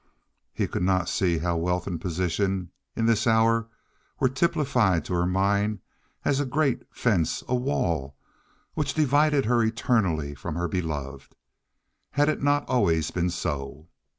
He could not see how wealth and position in this hour were typified to her mind as a great fence, a wall, which divided her eternally from her beloved. Had it not always been so?